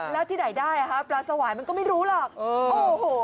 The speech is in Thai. แล้วที่ไหนได้ปลาสะวายมันก็ไม่รู้หรอกโอ้โหค่อยเป็น